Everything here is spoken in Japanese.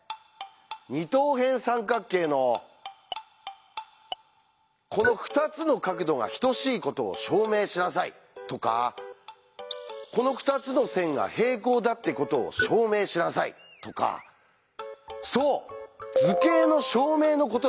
「二等辺三角形のこの２つの角度が等しいことを証明しなさい」とか「この２つの線が平行だってことを証明しなさい」とかそう「図形」の証明のことなんです。